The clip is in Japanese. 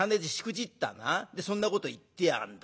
でそんなこと言ってやがるんだ。